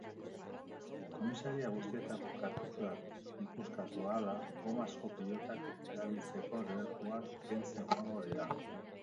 Komisaria guztietako kartutxoak ikuskatu ahala, gomazko pilotak erabiltzeko debekua kentzen joango dira.